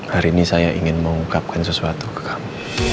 hari ini saya ingin mengungkapkan sesuatu ke kami